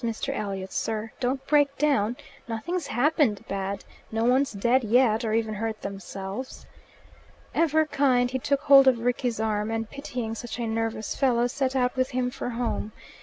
Mr. Elliot, sir, don't break down. Nothing's happened bad. No one's died yet, or even hurt themselves." Ever kind, he took hold of Rickie's arm, and, pitying such a nervous fellow, set out with him for home.